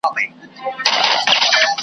یوه بل ته به زړه ورکړي بې وسواسه .